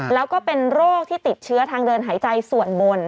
แล้วก็เป็นโรคที่ติดเชื้อทางเดินหายใจส่วนบน